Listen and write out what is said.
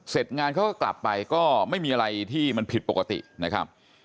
เสร็จงานเขาก็กลับไปก็ไม่มีอะไรที่มันผิดปกตินะครับ